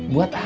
buat apa ceng